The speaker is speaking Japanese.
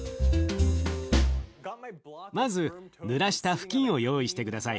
まずぬらした布巾を用意して下さい。